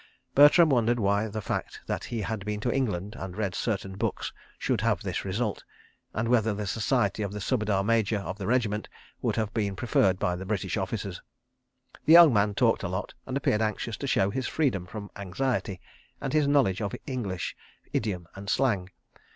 Bertram wondered why the fact that he had been to England and read certain books should have this result; and whether the society of the Subedar Major of the regiment would have been preferred by the British officers. The young man talked a lot, and appeared anxious to show his freedom from anxiety, and his knowledge of English idiom and slang.